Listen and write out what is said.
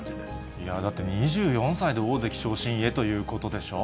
いやー、だって２４歳で大関昇進へということでしょう。